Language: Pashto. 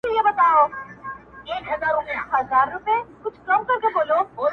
چي د کم موږک په نس کي مي غمی دی,